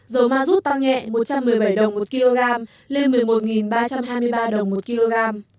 dầu ma rút tăng nhẹ một trăm một mươi bảy đồng một kg lên một mươi một ba trăm hai mươi ba đồng một kg